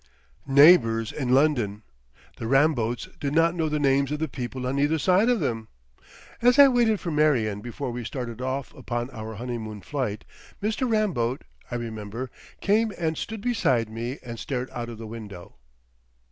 Neighbours in London! The Ramboats did not know the names of the people on either side of them. As I waited for Marion before we started off upon our honeymoon flight, Mr. Ramboat, I remember, came and stood beside me and stared out of the window.